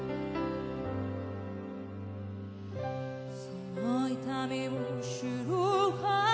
「その痛みを知ること」